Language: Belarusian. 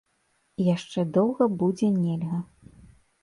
І яшчэ доўга будзе нельга.